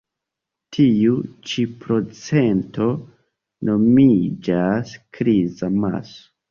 Tiu ĉi procento nomiĝas kriza maso.